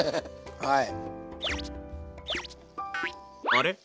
はい。